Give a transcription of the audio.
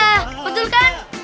ustazah betul kan